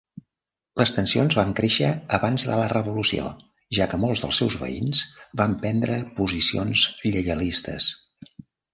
Les tensions van créixer abans de la revolució, ja que molts dels seus veïns van prendre posicions lleialistes.